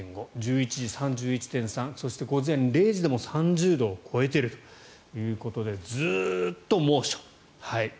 時、３１．３そして午前０時でも３０度を超えているということでずっと猛暑。